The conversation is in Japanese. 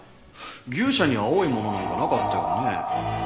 牛舎に青いものなんかなかったよね？